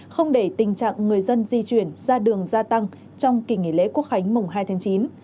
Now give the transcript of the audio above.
không để tình trạng người dân di chuyển ra đường gia tăng trong kỳ nghỉ lễ quốc khánh mùng hai tháng chín